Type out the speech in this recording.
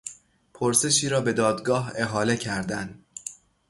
پرسشی را به دادگاه احاله کردن